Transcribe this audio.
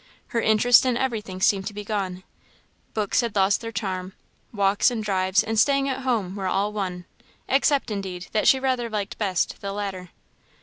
Her interest in everything seemed to be gone. Books had lost their charm. Walks and drives and staying at home were all one except, indeed, that she rather liked best the latter.